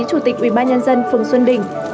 chủ tịch ubnd phường xuân đình